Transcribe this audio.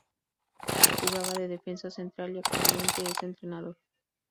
Jugaba de defensa central y actualmente es entrenador.